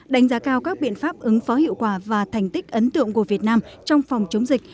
đánh giá cao các biện pháp ứng phó hiệu quả và thành tích ấn tượng của việt nam trong phòng chống dịch